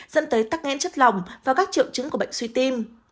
dẫn tới tắc nghẽn chất lòng và các triệu chứng của bệnh suy tim